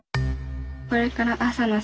これから朝だ！